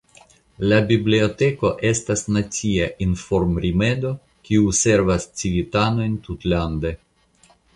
La biblioteko estas nacia informrimedo kiu servas civitanojn tutlande.